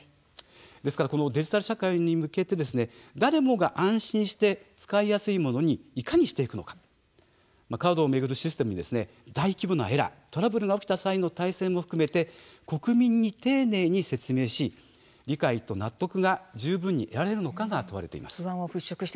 ですのでデジタル社会に向けて誰もが安心して使いやすいものにいかにしていくのかカードを巡るシステムに大規模なエラー、トラブルが起きた際の体制も含めて国民に丁寧に説明し理解と納得が十分に得られるのかが問われています。